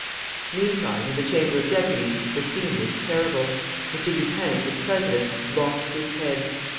Meantime in the Chamber of Deputies the scene was terrible. M. Dupin, its president, lost his head.